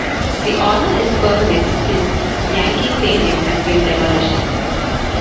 The honor is permanent since Yankee Stadium has been demolished.